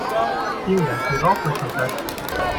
Vielen Dank für Ihre Aufmerksamkeit!